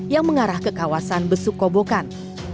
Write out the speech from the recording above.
yang mengarah ke kawasan besuk kobokan